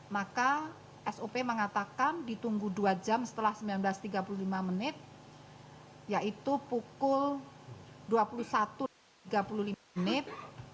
maka sop mengatakan ditunggu dua jam setelah sembilan belas tiga puluh lima menit yaitu pukul dua puluh satu tiga puluh lima menit